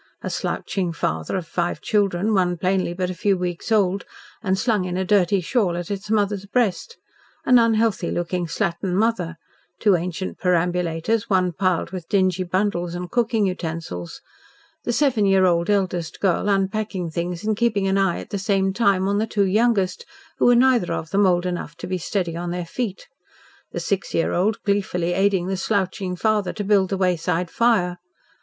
A slouching father of five children, one plainly but a few weeks old, and slung in a dirty shawl at its mother's breast, an unhealthy looking slattern mother, two ancient perambulators, one piled with dingy bundles and cooking utensils, the seven year old eldest girl unpacking things and keeping an eye at the same time on the two youngest, who were neither of them old enough to be steady on their feet, the six year old gleefully aiding the slouching father to build the wayside fire.